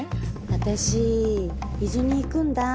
「私伊豆に行くんだぁ」。